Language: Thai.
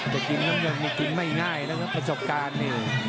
จะกินซ้ำเวงมันกินไม่ง่ายนะครับประจกการเนี่ย